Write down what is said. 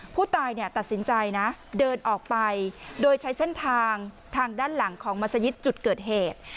ผู้ตายตัดสินใจนะเดินออกไปโดยใช้เส้นทางทางด้านหลังของมัศยิตจุดเกิดเหตุ